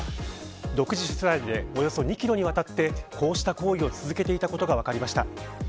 独自取材でおよそ２キロにわたってこうした行為を続けていたことが分かりました。